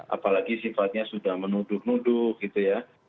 apalagi sifatnya sudah menuduh nuduh gitu ya